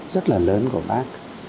rất là lớn của bác